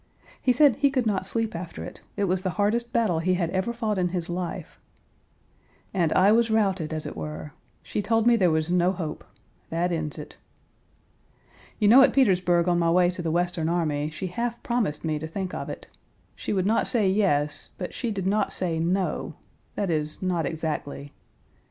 He said he could not sleep after it; it was the hardest battle he had ever fought in his life, "and I was routed, as it were; she told me there was no hope; that ends it. You know at Page 269 Petersburg on my way to the Western army she half promised me to think of it. She would not say 'Yes,' but she did not say 'No' that is, not exactly.